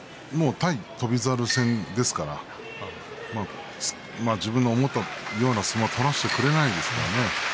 翔猿戦ですから自分の思ったような相撲は取らせてくれませんからね。